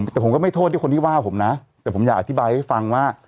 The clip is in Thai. แต่ผมก็ไม่โทษที่คนที่ว่าผมนะแต่ผมอยากอธิบายให้ฟังว่า